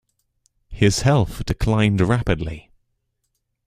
His health declined rapidly.